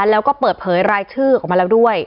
แล้วก็เปิดเผยรายชื่อออกมาแล้วด้วย